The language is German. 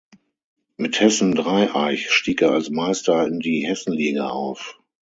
Mit Hessen Dreieich stieg er als Meister in die Hessenliga auf.